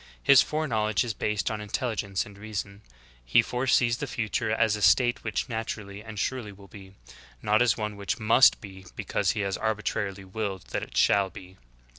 His foreknowledge is based on intelligence and reason; He foresees the future as a state which naturally and surely will be ; not as one which must be because He has arbitrarily willed that it shall be.